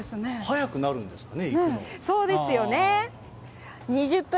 早くなるんですかね。